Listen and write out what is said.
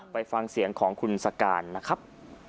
ไปฟังเสียงของคุณสการนะครับ